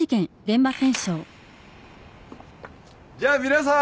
じゃあ皆さーん。